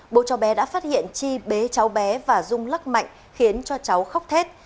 bố cháu bé đã phát hiện chi bế cháu bé và rung lắc mạnh khiến cho cháu khóc thết